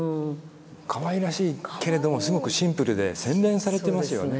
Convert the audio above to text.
かわいらしいけれどもすごくシンプルで洗練されてますよね。